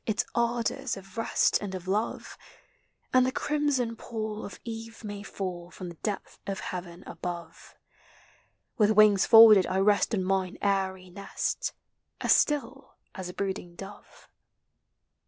Its ardors of rest and of love. And the crimson pall of eve may fall From the depth of heaven above. With wings folded I rest on mine airy nest, As still as a brooding dove.